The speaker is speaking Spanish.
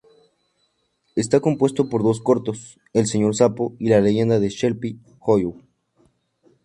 Está compuesto por dos cortos, "El Señor Sapo" y "La leyenda de Sleepy Hollow".